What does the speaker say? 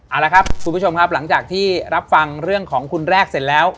เอาละครับคุณผู้ชมครับหลังจากที่รับฟังเรื่องของคุณแรกเสร็จแล้ว